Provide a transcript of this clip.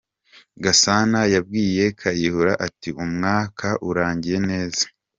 Gasana yabwiye Kayihura ati “Umwaka urangiye neza.